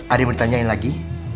ada yang ditanyain lagi